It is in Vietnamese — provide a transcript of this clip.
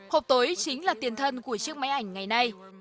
hộp tối chính là tiền thân của chiếc máy ảnh ngày nay